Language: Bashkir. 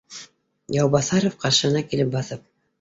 Яубаҫаров ҡаршыһына килеп баҫып: